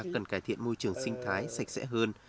cần cải thiện môi trường sinh thái sạch sẽ hơn